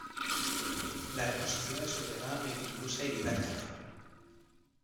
La exposición es ordenada, meticulosa y didáctica.